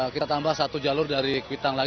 kita tambah satu jalur dari kuitang lagi